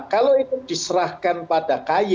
kalau itu diserahkan pada kay